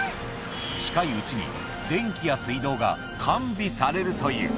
近いうちに電気や水道が完備されるという。